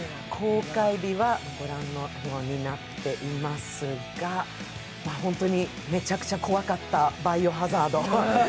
公開日は御覧のようになっていますが、本当にめちゃくちゃ怖かった「バイオハザード」。